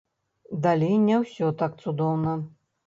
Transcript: Далей не ўсё так цудоўна.